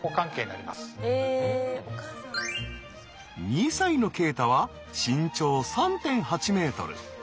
２歳のケイタは身長３．８ｍ。